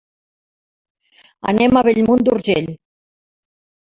Anem a Bellmunt d'Urgell.